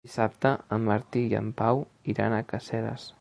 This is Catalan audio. Dissabte en Martí i en Pau iran a Caseres.